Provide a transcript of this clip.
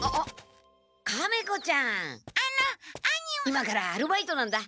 今からアルバイトなんだ。